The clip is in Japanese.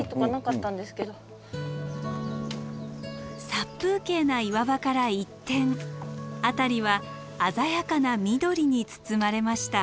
殺風景な岩場から一転辺りは鮮やかな緑に包まれました。